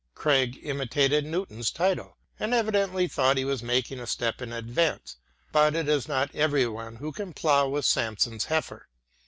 Craig imitated Newton's title, and evidently thought he was making a step in advance: but it is not every one who can plough with Samson's heifer.